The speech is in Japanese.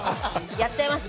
やっちゃいました。